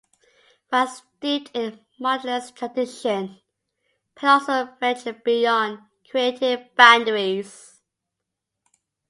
While steeped in the Modernist tradition, Penn also ventured beyond creative boundaries.